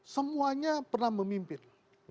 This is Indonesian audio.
semuanya pernah memimpin